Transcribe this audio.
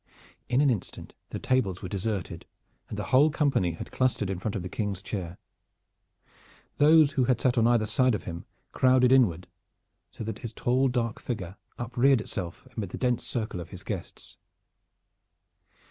In an instant the tables were deserted and the whole company had clustered in front of the King's chair. Those who had sat on either side of him crowded inward so that his tall dark figure upreared itself amid the dense circle of his guests.